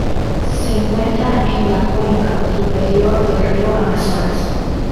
Se encuentra en la cuenca superior del río Amazonas.